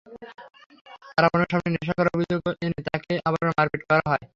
তারাবানুর সামনে নেশা করার অভিযোগ এনে তাকে আবারও মারপিট করা হয়।